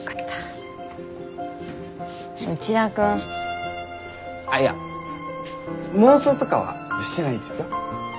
内田君。いや妄想とかはしてないですよ？